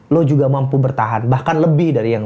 lo juga mampu bertahan bahkan lebih dari yang